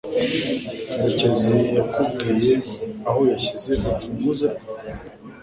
Karecyezi yakubwiye aho yashyize urufunguzo rwe?